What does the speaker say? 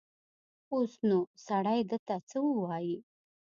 اوس نو سړی ده ته څه ووايي.